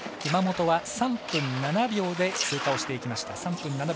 山本は３分７秒で通過をしていきました。